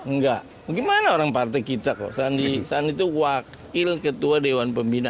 enggak gimana orang partai kita kok sandi sandi itu wakil ketua dewan pembina